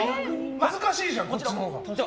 恥ずかしいじゃんこっちのほうが。